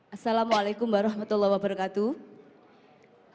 assalamu'alaikum warahmatullahi wabarakatuh